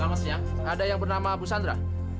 selamat siang ada yang bernama abu sandra